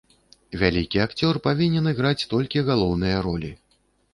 Вялікі акцёр павінен іграць толькі галоўныя ролі.